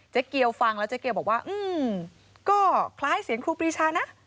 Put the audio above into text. เกียวฟังแล้วเจ๊เกียวบอกว่าก็คล้ายเสียงครูปรีชานะ